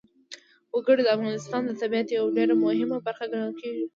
وګړي د افغانستان د طبیعت یوه ډېره مهمه برخه ګڼل کېږي.